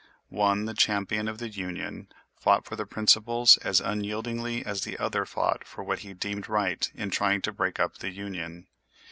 One, the champion of the Union, fought for his principles as unyieldingly as the other fought for what he deemed right in trying to break up the Union.